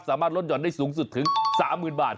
สามารถลดห่อนได้สูงสุดถึง๓๐๐๐บาท